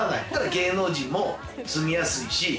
芸能人も住みやすいし。